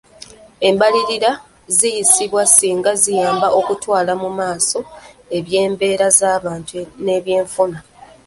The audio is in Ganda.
Embalirira ziyisibwa singa ziyamba okutwala mu maaso eby'embeera z'abantu n'ebyenfuna.